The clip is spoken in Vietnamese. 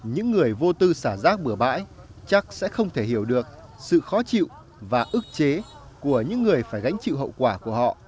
những người vô tư xả rác bừa bãi chắc sẽ không thể hiểu được sự khó chịu và ức chế của những người phải gánh chịu hậu quả của họ